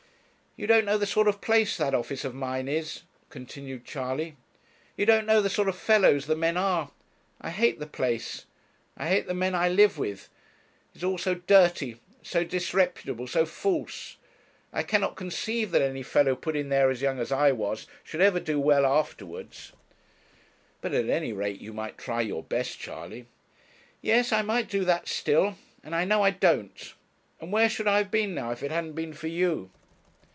'You don't know the sort of place that office of mine is,' continued Charley. 'You don't know the sort of fellows the men are. I hate the place; I hate the men I live with. It is all so dirty, so disreputable, so false. I cannot conceive that any fellow put in there as young as I was should ever do well afterwards.' 'But at any rate you might try your best, Charley.' 'Yes, I might do that still; and I know I don't; and where should I have been now, if it hadn't been for you?'